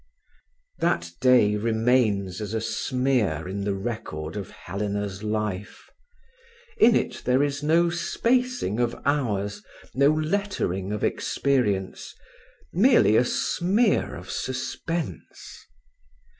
That day remains as a smear in the record of Helena's life. In it there is no spacing of hours, no lettering of experience, merely a smear of suspense.